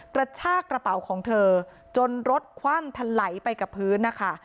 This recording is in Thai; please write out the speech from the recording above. กระชากระเป๋าของเธอจนรถคว่ำทะไหลไปกับพื้นนะคะ